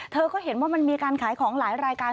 เธอก็เห็นว่ามันมีการขายของหลายรายการ